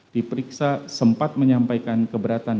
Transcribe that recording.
diperiksa sempat menyampaikan keberatan